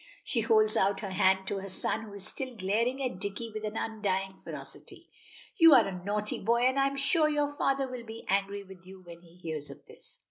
She holds out her hand to her son, who is still glaring at Dicky with an undying ferocity. "You are a naughty boy, and I'm sure your father will be angry with you when he hears of this."